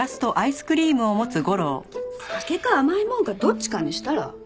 酒か甘いもんかどっちかにしたら？